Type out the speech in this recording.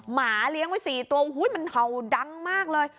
หมาเลี้ยงไว้๔ตัวมันเห่าดังมากเลย